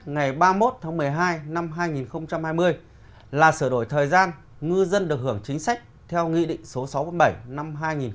ngày ba mươi một tháng một mươi hai năm hai nghìn hai mươi là sửa đổi thời gian ngư dân được hưởng chính sách theo nghị định số sáu mươi bảy năm hai nghìn một mươi chín